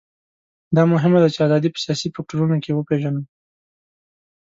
دا مهمه ده چې ازادي په سیاسي فکټورونو کې وپېژنو.